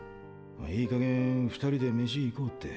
いいかげん２人で飯行こうって。